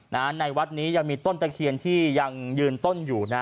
ในวัดนี้ยังมีต้นตะเคียนที่ยังยืนต้นอยู่นะ